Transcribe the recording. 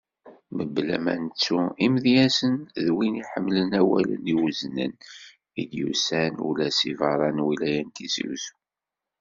Mebla ma nettu imedyazen d wid iḥemmlen awalen iweznen, i d-yusan ula seg beṛṛa n lwilaya n Tizi Uzzu.